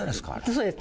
そうです。